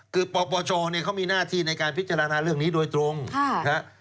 คือปปชเนี่ยเขามีหน้าที่ในการพิจารณาเรื่องนี้โดยตรงนะครับ